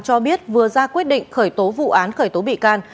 cho biết vừa ra quyết định khởi tố vụ án khởi tố bị can